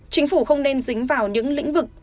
chính phủ không nên dính vào những lĩnh vực